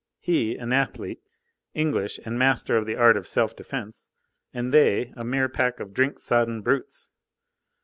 He, an athlete, English, and master of the art of self defence; and they, a mere pack of drink sodden brutes!